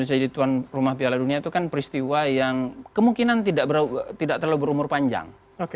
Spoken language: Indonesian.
pertama peristiwa gagalnya indonesia jadi tuan rumah piala dunia itu kan peristiwa yang kemungkinan tidak terlalu berumur panjang